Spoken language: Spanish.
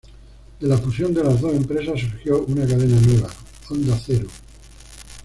De la fusión de las dos empresas surgió una cadena nueva: Onda Cero.